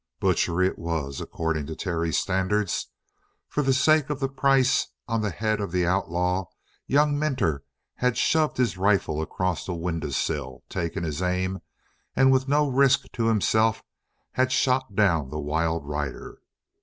Butchery it was, according to Terry's standards. For the sake of the price on the head of the outlaw, young Minter had shoved his rifle across a window sill, taken his aim, and with no risk to himself had shot down the wild rider.